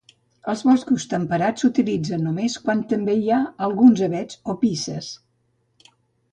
Els boscos temperats s'utilitzen només quan també hi ha alguns avets o pícees.